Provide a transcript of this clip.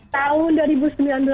tahun dua ribu sembilan belas